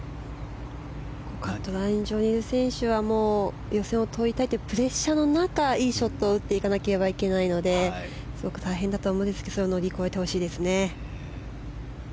カットライン上にいる選手は予選を通りたいというプレッシャーの中いいショットを打っていかなければいけないのですごく大変だと思うんですが乗り越えてほしいですね。